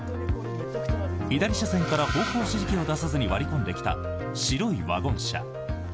左車線から方向指示器を出さずに割り込んできた白いワゴン車。